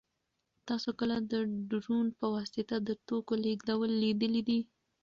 تاسو کله د ډرون په واسطه د توکو لېږدول لیدلي دي؟